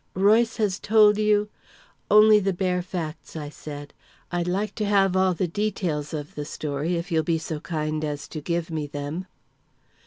"Royce has told you " "Only the bare facts," I said. "I'd like to have all the details of the story, if you'll be so kind as to give me them."